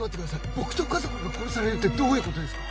僕と家族が殺されるってどういう事ですか！？